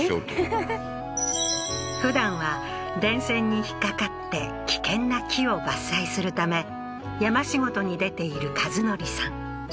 ふふっふだんは電線に引っかかって危険な木を伐採するため山仕事に出ている和則さん